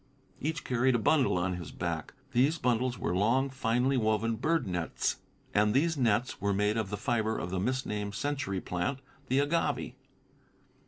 Each carried a bundle on his back. These bundles were long, finely woven bird nets, and these nets were made of the fiber of the misnamed century plant, the agave.